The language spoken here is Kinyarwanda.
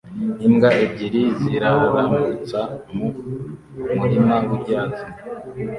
Imbwa ebyiri ziraramutsa mu murima wibyatsi